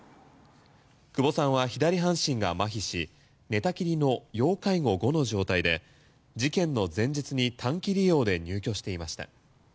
久保さんは左半身が麻痺し寝たきりの要介護５の状態で事件の前日に短期利用で入居していました。